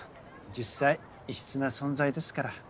実際異質な存在ですから。